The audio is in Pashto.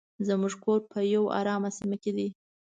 زموږ کور په یو ارامه سیمه کې دی.